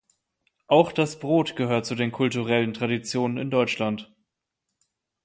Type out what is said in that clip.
Auch das Brot gehört zu den kulturellen Traditionen in Deutschland.